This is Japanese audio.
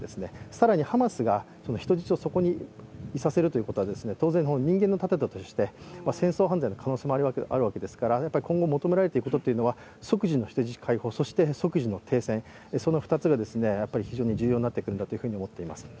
更にハマスが人質をそこにいさせるということは当然人間の盾として戦争犯罪の可能性もあるわけですから、今、求められていくことっていうのは即時の人質解放そして即時の停戦、その２つが非常に重要になってくると思われます。